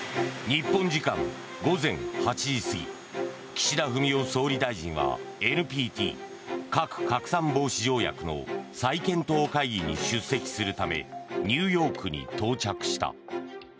日本時間午前８時過ぎ岸田文雄総理大臣はＮＰＴ・核拡散防止条約の再検討会議に出席するためニューヨークに到着した。